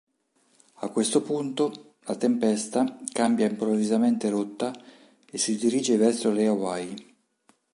A questo punto, la tempesta cambia improvvisamente rotta e si dirige verso le Hawaii.